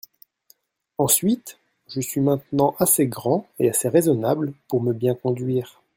Ensuite, je suis maintenant assez grand et assez raisonnable pour me bien conduire.